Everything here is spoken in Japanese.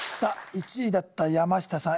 １位だった山下さん